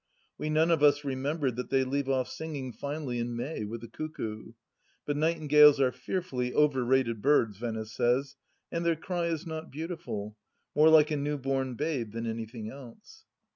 We none of us remembered that they leave off singing finally in May, with the cuckoo ! But nightingales are fearfully overrated birds, Venice says, and their cry is not beautiful: more like a new born babe than anything else